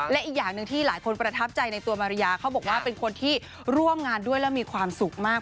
และอีกอย่างหนึ่งที่หลายคนประทับใจในตัวมาริยาเขาบอกว่าเป็นคนที่ร่วมงานด้วยแล้วมีความสุขมาก